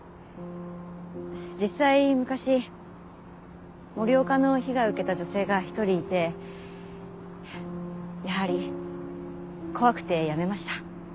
実際昔森岡の被害を受けた女性が１人いてやはり怖くてやめました。